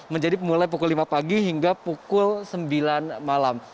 menjadi mulai pukul lima pagi hingga pukul sembilan malam